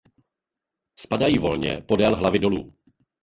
Spadají volně podél hlavy dolů.